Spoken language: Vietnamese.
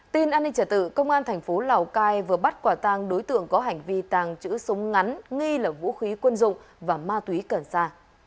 tin an ninh trả tự công an thành phố lào cai vừa bắt quả tàng đối tượng có hành vi tàng chữ súng ngắn nghi lẩm vũ khí quân dụng và ma túy cẩn xa